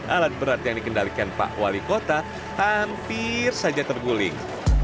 alat berat yang dikendalikan pak wali kota hampir saja terguling